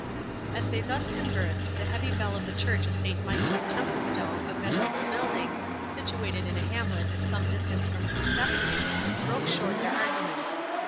As they thus conversed, the heavy bell of the church of Saint Michael of Templestowe, a venerable building, situated in a hamlet at some distance from the Preceptory, broke short their argument.